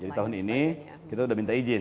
jadi tahun ini kita sudah minta izin